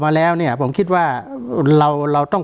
การแสดงความคิดเห็น